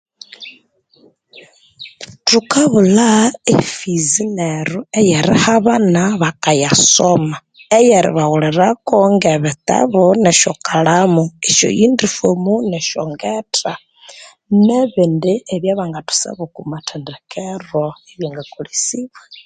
Thukabulha efizi neru eyeriha abana bakayasoma eyeribaghulirako nge bitabu ne sykalamu esyoyindifomo ne shongetha nebindi ebya bangathusaba oko mathendekero ebya ngakolesibwa